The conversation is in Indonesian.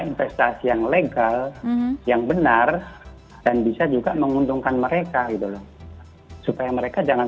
investasi yang legal yang benar dan bisa juga menguntungkan mereka gitu loh supaya mereka jangan